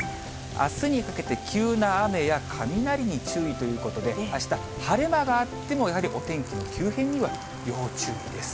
あすにかけて、急な雨や雷に注意ということで、あした、晴れ間があっても、やはりお天気の急変には要注意です。